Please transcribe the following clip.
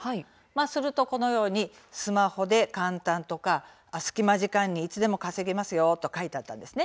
すると、このように「スマホで簡単」とか「隙間時間にいつでも稼げますよ」と書いてありました。